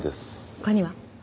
他には？